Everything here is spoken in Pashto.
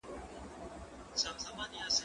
زه به سبا کتابتوننۍ سره وخت تېره کړم؟!